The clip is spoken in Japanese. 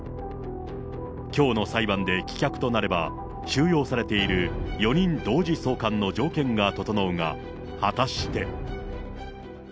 きょうの裁判で棄却となれば、収容されている４人同時送還の条件が整うが、果たして。